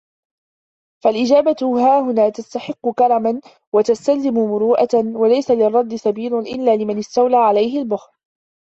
فَالْإِجَابَةُ هَهُنَا تَسْتَحِقُّ كَرْمًا وَتَسْتَلْزِمُ مُرُوءَةً وَلَيْسَ لِلرَّدِّ سَبِيلٌ إلَّا لِمَنْ اسْتَوْلَى عَلَيْهِ الْبُخْلُ